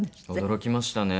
驚きましたね。